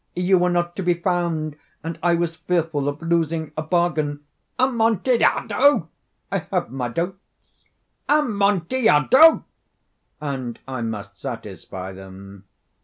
You were not to be found, and I was fearful of losing a bargain." "Amontillado!" "I have my doubts." "Amontillado!" "And I must satisfy them."